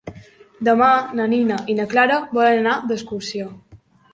Demà na Nina i na Clara volen anar d'excursió.